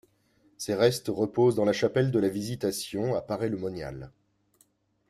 Ses restes reposent dans la chapelle de la Visitation à Paray-le-Monial.